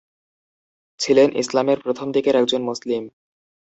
ছিলেন ইসলামের প্রথম দিকের একজন মুসলিম।